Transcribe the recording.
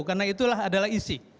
karena itulah adalah isi